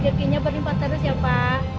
biar rejekinya berlipat terus ya pak